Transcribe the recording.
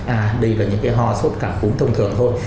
à đây là những cái ho sốt cảm cúm thông thường thôi